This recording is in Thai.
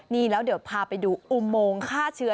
นี่แล้วเดี๋ยวพาไปดูอุโมงฆ่าเชื้อ